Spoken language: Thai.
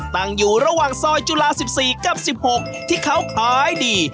ตั้งอยู่ระหว่างซอยจุฬา๑๔กับ๑๖ที่เขาขายดี